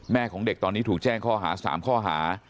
ของเด็กตอนนี้ถูกแจ้งข้อหา๓ข้อหา